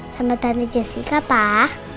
sama tante jessy kak pak